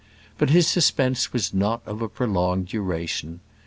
But his suspense was not of a prolonged duration.